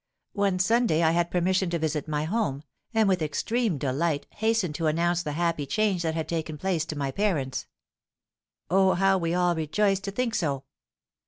One Sunday I had permission to visit my home, and with extreme delight hastened to announce the happy change that had taken place to my parents. Oh, how we all rejoiced to think so!